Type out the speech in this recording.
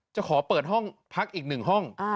จะขอเปิดห้องพักอีก๑ห้อง